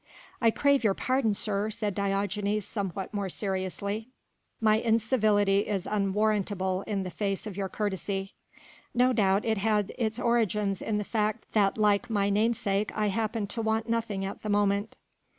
"I crave your pardon, sir," said Diogenes somewhat more seriously, "my incivility is unwarrantable in the face of your courtesy. No doubt it had its origin in the fact that like my namesake I happened to want nothing at the moment.